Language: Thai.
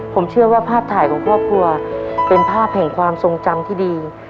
ผมเชื่อว่าภาพถ่ายของครอบครัวเป็นภาพแห่งความทรงจำที่ดี